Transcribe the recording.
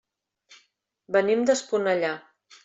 Venim d'Esponellà.